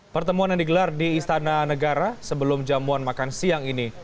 pertemuan yang digelar di istana negara sebelum jamuan makan siang ini